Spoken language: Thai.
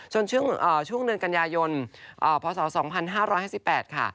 ช่วงเดือนกันยายนพศ๒๕๕๘ค่ะ